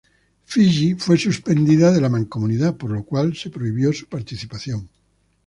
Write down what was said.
Fiyi fue suspendido de la Mancomunidad, por lo cual se prohibió su participación.